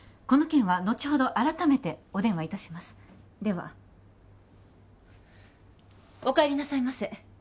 この件はのちほど改めてお電話いたしますではお帰りなさいませ